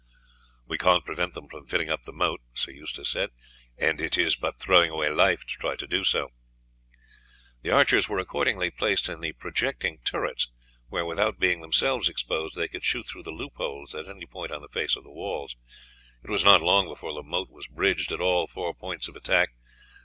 "We can't prevent them from filling up the moat," he said, "and it is but throwing away life to try to do so." The archers were accordingly placed in the projecting turrets, where, without being themselves exposed, they could shoot through the loopholes at any point on the face of the walls. It was not long before the moat was bridged at all four points of attack.